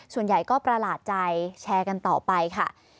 ส่วนใหญ่ก็ประหลาดใจแชร์กันต่อไปค่ะ